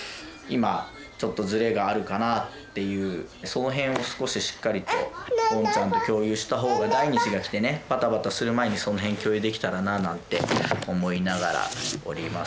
その辺を少ししっかりとゴンちゃんと共有した方が第二子が来てねバタバタする前にその辺共有できたらななんて思いながらおりますと。